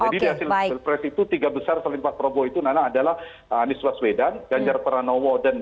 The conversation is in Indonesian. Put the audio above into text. jadi di hasil pres itu tiga besar selain pak prabowo itu adalah anies waswedan ganjar pranowo dan rizwan